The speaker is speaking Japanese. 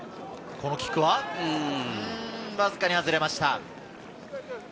このキックはわずかに外れました。